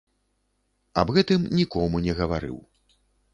Аб гэтым нікому не гаварыў.